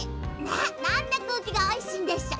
なんてくうきがおいしいんでしょ。